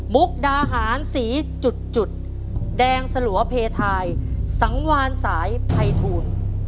มุกดาหารสีจุดแดงสลัวเพทายสังวานสายภัยทูล